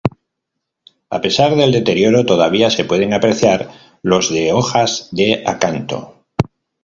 A pesar del deterioro todavía se pueden apreciar los de hojas de acanto.